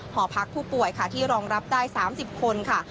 หอพักผู้ป่วยค่ะที่รองรับได้๓๐คนค่ะ